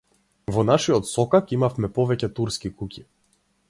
Во нашиот сокак имавме повеќе турски куќи.